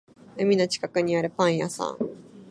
海の近くにあるパン屋さん